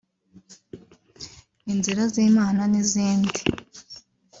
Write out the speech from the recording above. Inzira z'Imana n'izindi